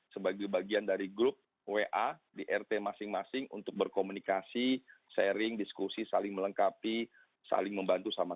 sebagai bagian dari grup wa di rt masing masing untuk berkomunikasi sharing diskusi saling melengkapi saling membantu sama